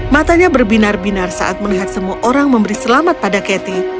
matanya berbinar binar saat melihat semua orang memberi selamat pada catty